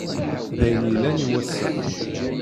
D ayen i yellan i wass-a.